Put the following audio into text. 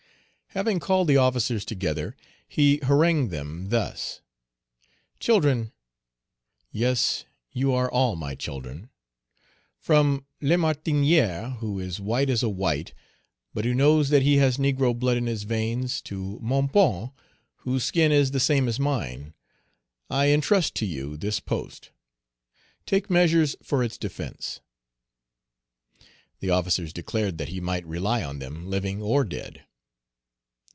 Having called the officers together, he harangued them thus: "Children, yes, you are all my children, from Lamartinière, who is white as a white, but who knows that he has negro blood in his veins, to Monpoint, whose skin is the same as mine, I intrust to you this post. Take measures Page 191 for its defence." The officers declared that he might rely on them, living or dead.